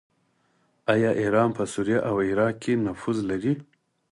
آیا ایران په سوریه او عراق کې نفوذ نلري؟